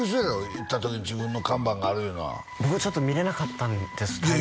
行った時に自分の看板があるいうのは僕ちょっと見れなかったんですタイミング